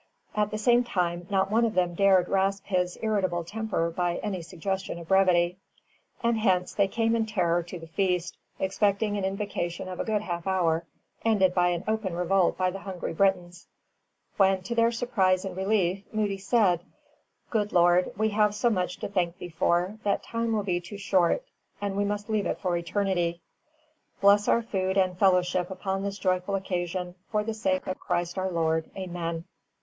At the same time, not one of them dared rasp his irritable temper by any suggestion of brevity; and hence they came in terror to the feast, expecting an invocation of a good half hour, ended by open revolt of the hungry Britons; when, to their surprise and relief, Moody said: "Good Lord, we have so much to thank thee for, that time will be too short, and we must leave it for eternity. Bless our food and fellowship upon this joyful occasion, for the sake of Christ our Lord, Amen."